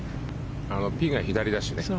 ピンが左だしね